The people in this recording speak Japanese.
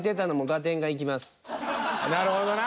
なるほどな。